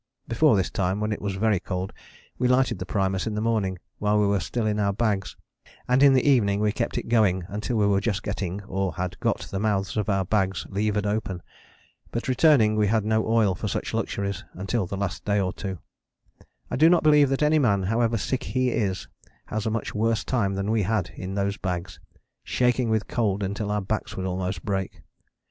Before this time, when it was very cold, we lighted the primus in the morning while we were still in our bags: and in the evening we kept it going until we were just getting or had got the mouths of our bags levered open. But returning we had no oil for such luxuries, until the last day or two. I do not believe that any man, however sick he is, has a much worse time than we had in those bags, shaking with cold until our backs would almost break.